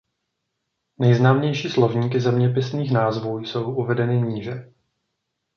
Nejznámější slovníky zeměpisných názvů jsou uvedeny níže.